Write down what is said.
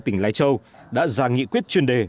tỉnh lai châu đã ra nghị quyết chuyên đề